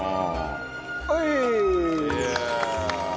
はい！